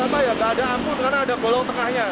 gak ada ampun karena ada golong tengahnya